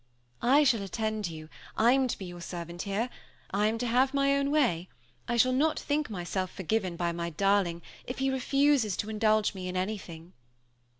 "I shall attend you. I'm to be your servant here; I am to have my own way; I shall not think myself forgiven by my darling if he refuses to indulge me in anything."